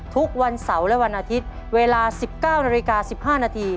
ทุกวันเสาร์และวันอาทิตย์เวลา๑๙นาฬิกา๑๕นาที